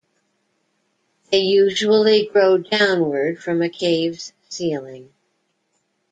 They usually grow downward from a cave's ceiling.